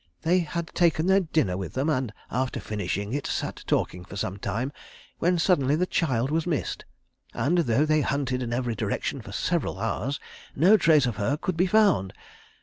They had taken their dinner with them, and after finishing it sat talking for some time, when suddenly the child was missed; and, though they hunted in every direction for several hours, no trace of her could be found.